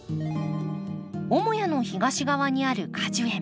母屋の東側にある果樹園。